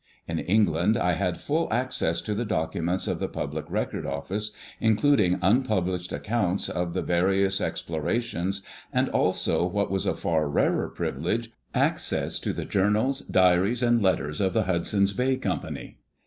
In Eng land I had full access to the documents of the Public Record Office, including unpublished accounts of the various explorations, and also, what was a far rarer privilege, access to the journals, diaries, and letters of the Hudson's Bay Company.